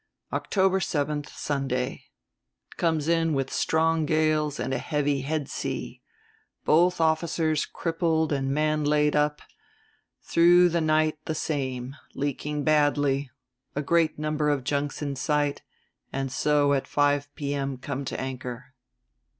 "October seventh, Sunday. Comes in with strong gales and a heavy head sea. Both officers crippled and man laid up. Through the night the same. Leaking badly. A great number of junks in sight ... and so at five p.m. come to anchor."